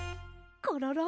コロロ！